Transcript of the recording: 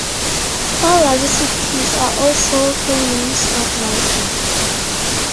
All larger cities are also Communes of Niger.